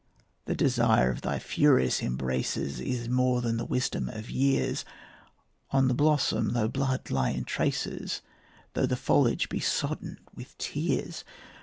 The desire of thy furious embraces Is more than the wisdom of years, On the blossom though blood lie in traces, Though the foliage be sodden with tears.